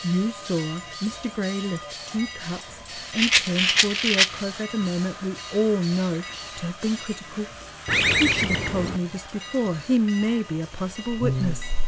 "You saw Mr. Grey lift two cups and turn toward the alcove at a moment we all know to have been critical? You should have told me this before. He may be a possible witness."